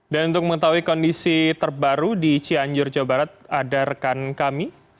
dan untuk mengetahui kondisi terbaru di cianjur jawa barat ada rekan kami